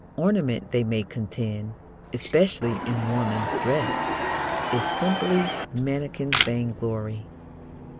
Ornament, they may contend, especially in woman's dress, is simply mannikin's vainglory.